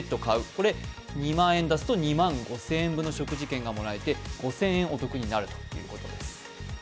これ、２万円出すと２万５０００円の食事券がもらえて５０００円お得になるということです。